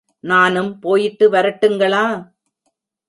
நானும் போயிட்டு வரட்டுங்களா?